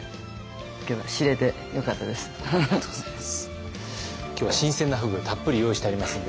ありがとうございます。